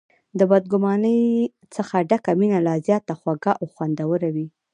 د بد ګمانۍ څخه ډکه مینه لا زیاته خوږه او خوندوره وي.